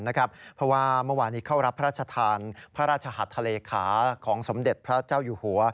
เพราะว่าเมื่อวานนี้เข้ารับพระราชทานพระราชหัสทะเลขาของสมเด็จพระเจ้าอยู่หัว